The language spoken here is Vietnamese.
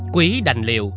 quý đành liều